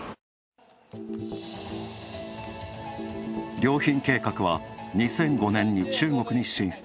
良品計画は２００５年に中国に進出。